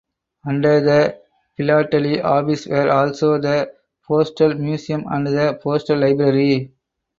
Under the philately office were also the Postal Museum and the Postal Library.